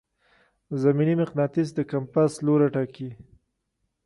زمیني مقناطیس د کمپاس لوری ټاکي.